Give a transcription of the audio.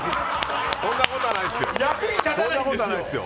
そんなことはないですよ。